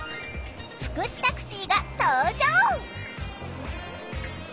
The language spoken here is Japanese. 福祉タクシーが登場！